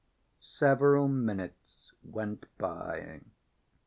Several minutes went by.